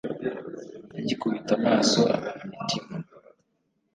agikubita amaso abona imitima